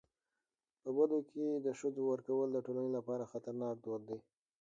په بدو کي د ښځو ورکول د ټولني لپاره خطرناک دود دی.